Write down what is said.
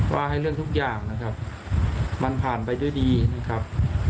ว่าให้เรื่องทุกอย่างนะครับมันผ่านไปด้วยดีนะครับ